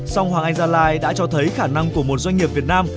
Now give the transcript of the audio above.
song hoàng anh gia lai đã cho thấy khả năng của một doanh nghiệp việt nam